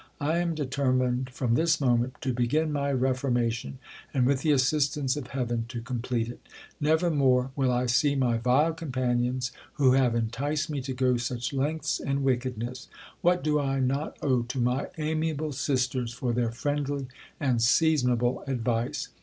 I am determined from this moment to begin my reformation, and, with the assistance of Heaven, to complete it. Never more will I see my vile companions, who have enticed me to go such lengths in wickedness. What do I not owe to my amiable sisters for their friendly and seasonable advice